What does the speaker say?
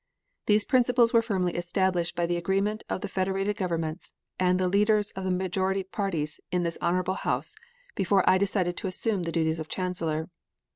These principles were firmly established by the agreement of the federated governments and the leaders of the majority parties in this honorable House before I decided to assume the duties of Chancellor.